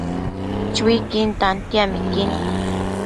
Chuiquin tantiamequin